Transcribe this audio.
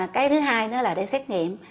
cái thứ hai nữa là để xét nghiệm